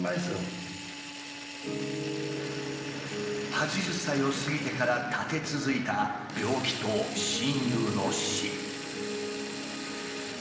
８０歳を過ぎてから立て続いた病気と親友の死。